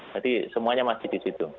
jadi semuanya masih di situ